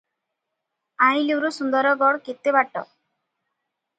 ଆଇଁଲିରୁ ସୁନ୍ଦରଗଡ଼ କେତେ ବାଟ?